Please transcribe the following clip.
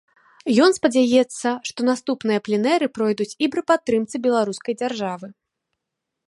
Ён спадзяецца, што наступныя пленэры пройдуць і пры падтрымцы беларускай дзяржавы.